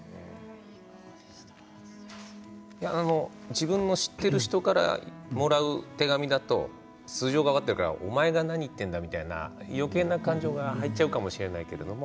自分の知っている人からもらう手紙だと素性が分かっているからお前が何を言ってるんだみたいなよけいな感情が入ってしまうかもしれませんけど